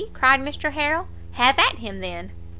cried Mr Harrel, "have at him, then!"